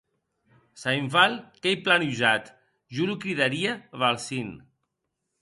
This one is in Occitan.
Sainval qu’ei plan usat; jo lo cridaria Valsin.